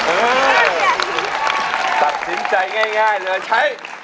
ตัดสินใจง่ายเลยใช้